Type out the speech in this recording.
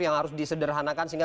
yang harus disederhanakan sehingga